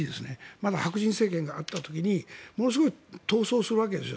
まだ白人政権があった時にものすごい闘争をするわけですよ